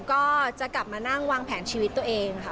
ต้องวางแผนชีวิตตัวเองค่ะ